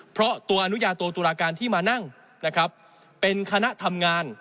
เพราะตัวอนุญาโตตุลาการที่มานั่งนะครับเป็นคณะทำงาน